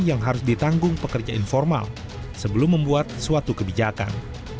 yang harus ditanggung pekerja informal sebelum membuat suatu kebijakan